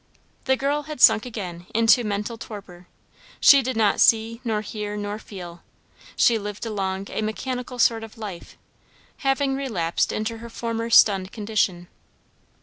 The girl had sunk again into mental torpor; she did not see nor hear nor feel; she lived along a mechanical sort of life, having relapsed into her former stunned condition.